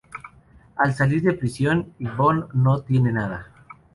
Al salir de prisión, Yvon no tiene nada.